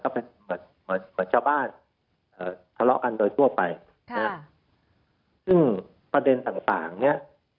ก็เป็นเหมือนเหมือนเจ้าบ้านเอ่อทะเลาะกันโดยทั่วไปค่ะซึ่งประเด็นต่างต่างเนี้ย